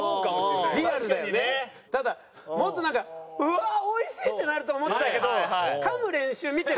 ただもっと「うわっ美味しい！」ってなると思ってたけど。